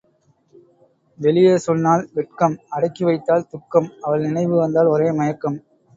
வெளியே சொன்னால் வெட்கம் அடக்கி வைத்தால் துக்கம் அவள் நினைவு வந்தால் ஒரே மயக்கம்.